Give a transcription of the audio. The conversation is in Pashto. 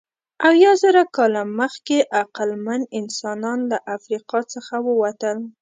اویازره کاله مخکې عقلمن انسانان له افریقا څخه ووتل.